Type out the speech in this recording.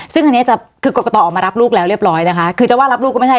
ซึ่งอันนี้จะคือกรกตออกมารับลูกแล้วเรียบร้อยนะคะคือจะว่ารับลูกก็ไม่ใช่